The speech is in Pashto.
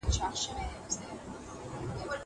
زه هره ورځ د ښوونځی لپاره تياری کوم.